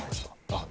あっ